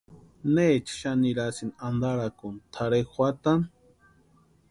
¿Necha xani nirhasïni antarakuni tʼarhe juatani?